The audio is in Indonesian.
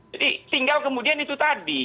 jadi tinggal kemudian itu tadi